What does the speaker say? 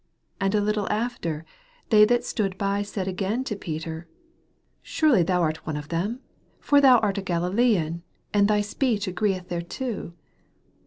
And a little after, they that stood by said again to Peter, Surely thou art on or them : for thou art a Galilsean, and thy speech agreeth thereto.